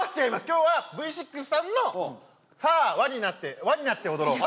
今日はＶ６さんのさあＷＡになって「ＷＡになっておどろう」